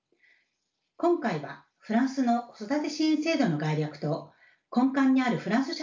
今回はフランスの子育て支援制度の概略と根幹にあるフランス社会の考え方